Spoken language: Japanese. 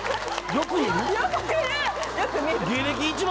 よく見る？